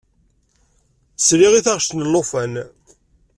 Sliɣ i taɣect n ulufan.